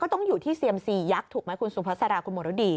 ก็ต้องอยู่ที่เซียมซียักษ์ถูกไหมคุณสูงพัฒนาคุณหมอโรดี